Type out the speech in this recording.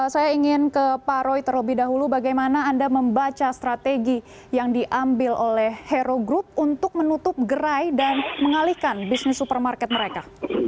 saya ingin ke pak roy terlebih dahulu bagaimana anda membaca strategi yang diambil oleh hero group untuk menutup gerai dan mengalihkan bisnis supermarket mereka